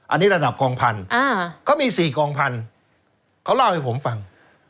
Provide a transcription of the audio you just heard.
อันนี้ระดับกองพันธุ์เขามี๔กองพันธุ์เขาเล่าให้ผมฟัง